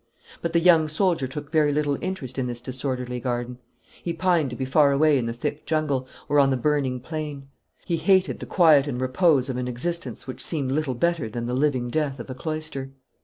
But the young soldier took very little interest in this disorderly garden. He pined to be far away in the thick jungle, or on the burning plain. He hated the quiet and repose of an existence which seemed little better than the living death of a cloister.